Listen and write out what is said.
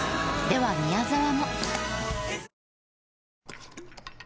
では宮沢も。